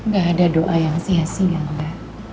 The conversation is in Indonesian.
gak ada doa yang sia sia mbak